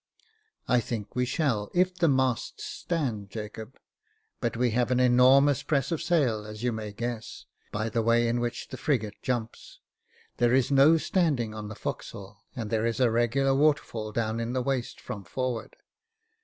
" I think we shall, if the masts stand, Jacob ; but we have an enormous press of sail, as you may guess, by the way in which the frigate jumps ; there is no standing on the forecastle, and there is a regular waterfall down in the waist from forward.